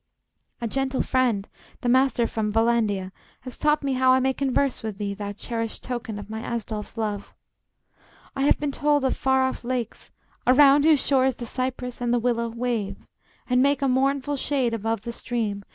] A gentle friend the Master from Vallandia Has taught me how I may converse with thee, Thou cherished token of my Asdolf's love! I have been told of far off lakes, around Whose shores the cypress and the willow wave, And make a mournful shade above the stream.